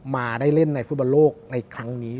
มาได้เล่นในฟุตบอลโลกในครั้งนี้